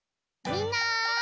みんな！